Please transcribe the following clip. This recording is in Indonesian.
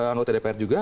anggota dpr juga